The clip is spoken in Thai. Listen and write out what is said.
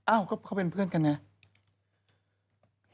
อ้าวก็เขาเป็นเพื่อนกันเนี่ย